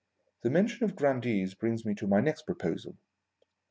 The mention of grandees brings me to my next proposal.